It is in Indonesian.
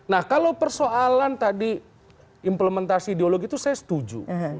nah kalau persoalan tadi implementasi ideologi itu saya setuju